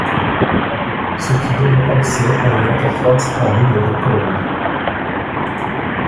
Ce qui donne accès à une interface en ligne de commande.